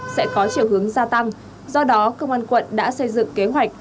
sẽ có chiều hướng gia tăng do đó công an quận đã xây dựng kế hoạch